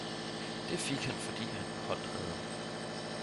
Det fik han fordi han beholdt reden